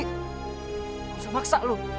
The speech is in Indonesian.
gak usah maksa lo